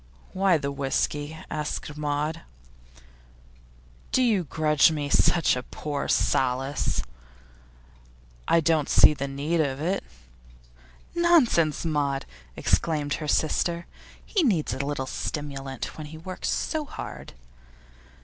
'Why the whisky?' asked Maud. 'Do you grudge me such poor solace?' 'I don't see the need of it.' 'Nonsense, Maud!' exclaimed her sister. 'He needs a little stimulant when he works so hard.